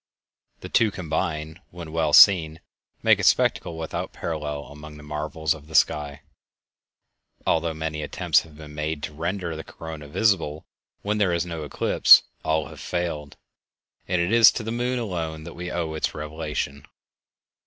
The two combined, when well seen, make a spectacle without parallel among the marvels of the sky. Although many attempts have been made to render the corona visible when there is no eclipse, all have failed, and it is to the moon alone that we owe its revelation.